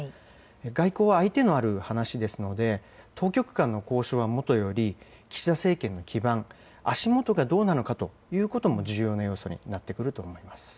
外交は相手のある話ですので、当局間の交渉はもとより、岸田政権の基盤、足元がどうなのかということも重要な要素になってくると思います。